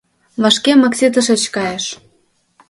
Вашке Макси тышеч кайыш.